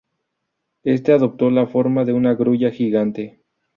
Este adoptó la forma de una grulla gigante.